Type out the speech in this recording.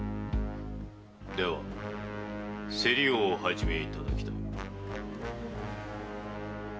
では競りをお始めいただきたい。